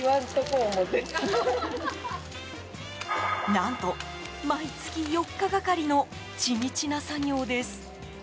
何と、毎月４日がかりの地道な作業です。